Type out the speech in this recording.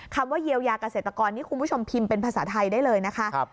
คำว่าเยียวยาเกษตรกรนี่คุณผู้ชมพิมพ์เป็นภาษาไทยได้เลยนะคะ